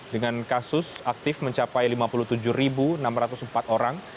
dengan kasus aktif mencapai lima puluh tujuh enam ratus empat orang